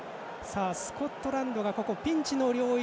スコットランドがピンチの領域